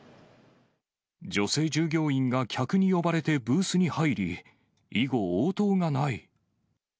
女性従業員が客に呼ばれてブースに入り、以後、応答がない。